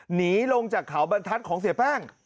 หนีลงจากเขาบรรทัศน์ของเสียแป้ง